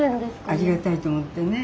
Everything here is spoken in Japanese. ありがたいと思ってね。